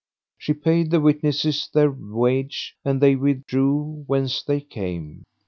She paid the witnesses their wage and they withdrew whence they came.